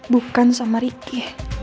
bukan sama ricky